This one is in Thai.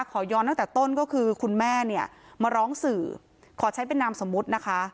ขอย้อนตั้งแต่ต้นก็คือคุณแม่เนี่ยมาร้องสื่อขอใช้เป็นนามสมมุตินะคะ